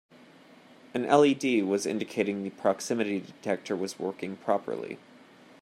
An LED was indicating the proximity detector was working properly.